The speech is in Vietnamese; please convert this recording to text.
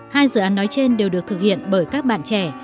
hai dự án nói trên đều được thực hiện bởi các bạn trẻ